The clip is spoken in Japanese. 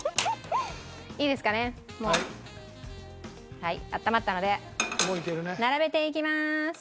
はいあったまったので並べていきます。